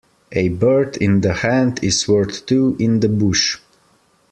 A bird in the hand is worth two in the bush.